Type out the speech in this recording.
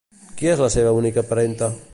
Qui és la seva única parenta?